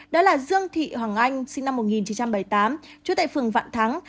đó là dương thị hoàng anh sinh năm một nghìn chín trăm bảy mươi tám trú tại phường vạn thắng